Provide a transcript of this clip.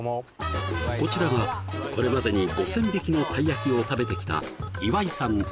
こちらがこれまでに５０００匹のたい焼きを食べてきたイワイさん